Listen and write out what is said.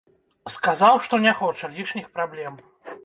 Сказаў, што не хоча лішніх праблем.